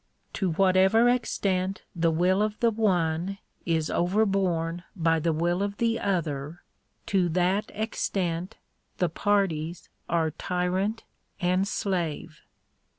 To whatever extent the will of the one is overborne by the will of the other, to that extent the parties are tyrant and slave.